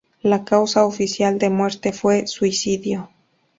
La causa oficial de muerte fue suicidio.